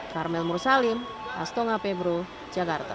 karmel mursalim astonga pebru jakarta